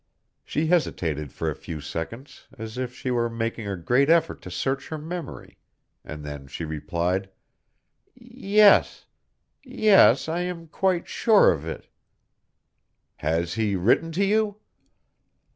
She hesitated for a few seconds, as if she were making a great effort to search her memory, and then she replied: "Yes ... yes, I am quite sure of it." "He has written to you?"